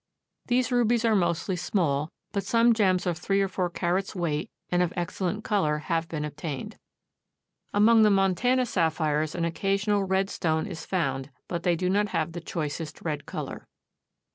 These rubies are mostly small, but some gems of three or four carats' weight and of excellent color have been obtained. Among the Montana sapphires an occasional red stone is found, but they do not have the choicest red color.